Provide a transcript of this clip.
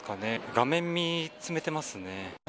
画面見つめてますね。